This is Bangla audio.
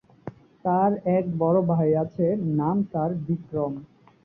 তার এক বড়ো ভাই আছে, নাম তার বিক্রম।